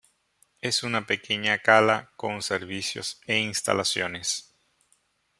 Es una pequeña cala con servicios e instalaciones.